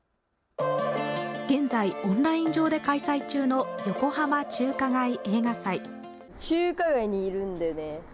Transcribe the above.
現在、オンライン上で開催中の横浜中華街映画祭。